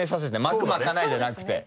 まくまかないじゃなくて。